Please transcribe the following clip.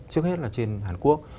trước hết là trên hàn quốc